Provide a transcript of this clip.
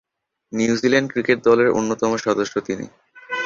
New Zealand cricket দলের অন্যতম সদস্য তিনি।